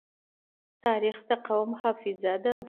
تاریخ د قوم حافظه ده.